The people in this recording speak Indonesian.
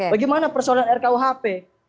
bagaimana persoalan rkuhp